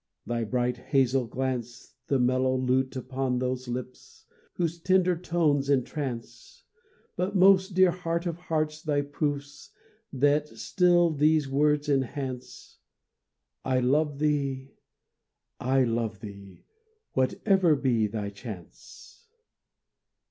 Thy bright hazel glance, The mellow lute upon those lips, Whose tender tones entrance; But most, dear heart of hearts, thy proofs That still these words enhance, I love thee I love thee! Whatever be thy chance.